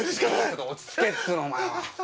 ちょっと落ち着けっつうのお前は。